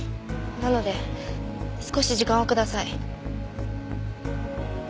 なので少し時間をください。